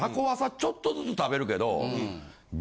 ちょっとずつ食べるけど。